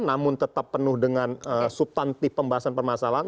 namun tetap penuh dengan subtantif pembahasan permasalahan